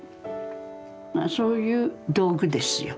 まあそういう道具ですよ。